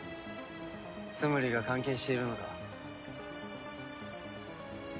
ツムリが関係しているのか？